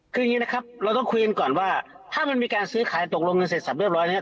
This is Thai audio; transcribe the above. คืออย่างนี้นะครับเราต้องคุยกันก่อนว่าถ้ามันมีการซื้อขายตกลงกันเสร็จสับเรียบร้อยเนี่ย